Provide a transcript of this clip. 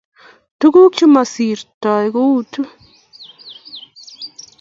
tukuk chemo sirtos koutu